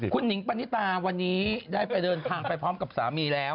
คุณหิงปณิตาวันนี้ได้ไปเดินทางไปพร้อมกับสามีแล้ว